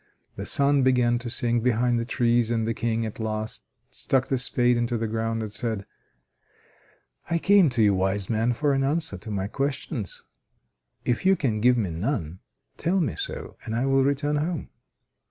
The sun began to sink behind the trees, and the King at last stuck the spade into the ground, and said: "I came to you, wise man, for an answer to my questions. If you can give me none, tell me so, and I will return home."